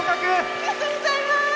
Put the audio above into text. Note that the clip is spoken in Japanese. ありがとうございます！